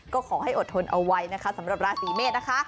ก็ขอให้อดทนเอาไว้นะคะสำหรับราศีเมษนะคะ